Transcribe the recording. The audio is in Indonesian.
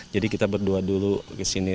jadi kita berdua dulu kesini